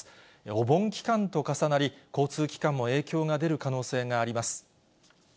お盆期間と重なり、交通機関も影響が出る可能性があります。